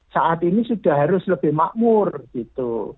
saat ini sudah harus lebih makmur gitu